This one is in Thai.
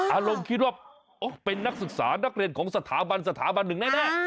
อารมณ์คิดว่าเป็นนักศึกษานักเรียนของสถาบันสถาบันหนึ่งแน่